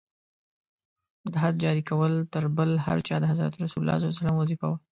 د حد جاري کول تر بل هر چا د حضرت رسول ص وظیفه وه.